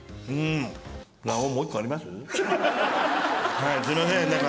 はいすいませんなんか。